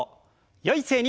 よい姿勢に。